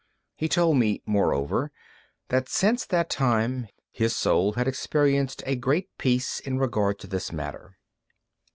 He told me, moreover, that since that time his soul had experienced great peace in regard to this matter.